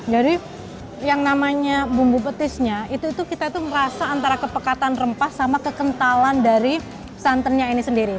jadi yang namanya bumbu petisnya itu kita merasa antara kepekatan rempah sama kekentalan dari santannya ini sendiri